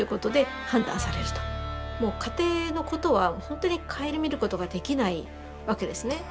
もう家庭のことは本当に顧みることができないわけですね。